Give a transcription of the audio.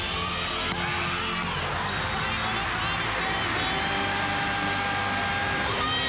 最後のサービスエース！